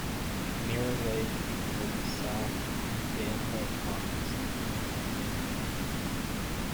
Mirror Lake is in the south, and Dan Hole Pond is in the north.